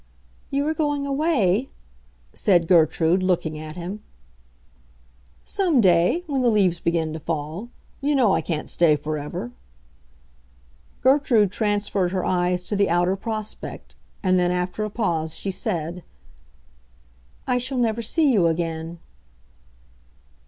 "You are going away?" said Gertrude, looking at him. "Some day—when the leaves begin to fall. You know I can't stay forever." Gertrude transferred her eyes to the outer prospect, and then, after a pause, she said, "I shall never see you again."